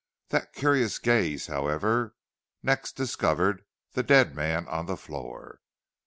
That curious gaze, however, next discovered the dead man on the floor.